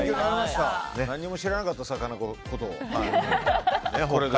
何も知らなかった魚のことを。